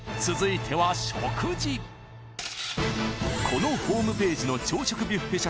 ［このホームページの朝食ビュッフェ